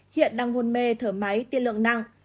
hiện đang hôn mê thở máy tiên lượng nặng